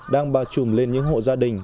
đang bào chùm lên những hộ gia đình